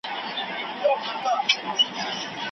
ورځي مو ورکي له ګلونو له یارانو سره